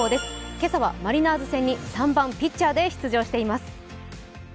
今朝はマリナーズ戦に３番・ピッチャーで出場しています。